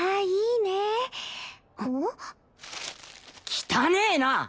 汚えな！